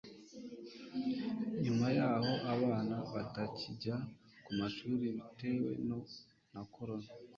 nyuma y'aho abana batakijya ku mashuri, bitewe na korona